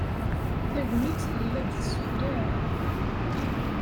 Tagnit tella-d tessexlaɛ.